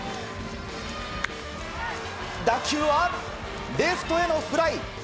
打球はレフトへのフライ！